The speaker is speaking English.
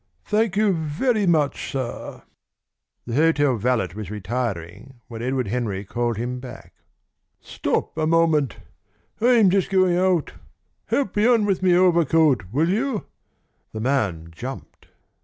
Thank you very much, sir." The hotel valet was retiring when Edward Henry called him back. "Stop a moment. I'm just going out. Help me on with my overcoat, will you?" The man jumped.